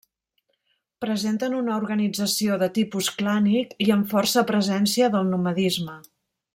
Presenten una organització de tipus clànic i amb força presència del nomadisme.